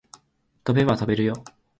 飛べば飛べるよ